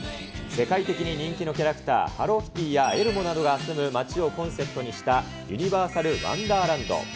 世界的に人気のキャラクター、ハローキティやエルモなどが住む街をコンセプトにしたユニバーサル・ワンダーランド。